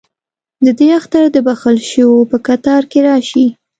ددې اختر دبخښل شووپه کتار کې راشي